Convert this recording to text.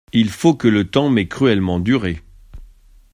Il faut que le temps m'ait cruellement duré.